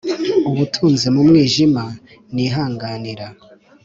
ubutunzi mu mwijima nihanganira -